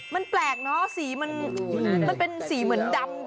มันแปลกเนอะสีมันเป็นสีเหมือนดำ